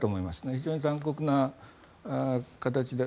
非常に残酷な形で。